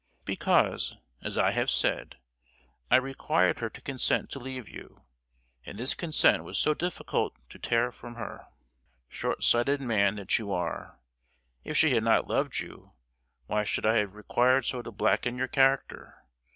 Because, as I have said, I required her to consent to leave you, and this consent was so difficult to tear from her! Short sighted man that you are! If she had not loved you, why should I have required so to blacken your character?